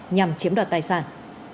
nhằm chiếm đoạt tài sản